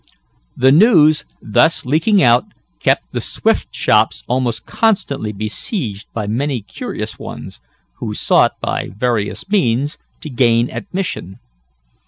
The news, thus leaking out, kept the Swift shops almost constantly besieged by many curious ones, who sought, by various means, to gain admission.